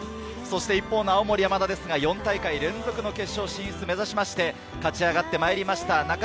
一方の青森山田ですが、４大会連続の決勝進出を目指しまして勝ち上がってまいりました。